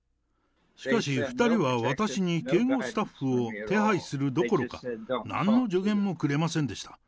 しかし、２人は私に警護スタッフを手配するどころか、なんの助言もくれませんでした。